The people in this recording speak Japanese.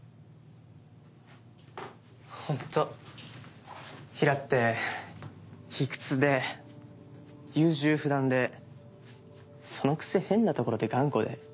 ほんと平良って卑屈で優柔不断でそのくせ変なところで頑固で。